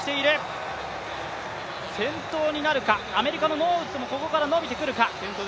先頭になるか、アメリカのノーウッドもここから伸びてくるか。